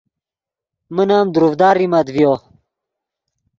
من ام دروڤدا ریمت ڤیو